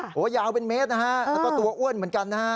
โอ้โหยาวเป็นเมตรนะฮะแล้วก็ตัวอ้วนเหมือนกันนะฮะ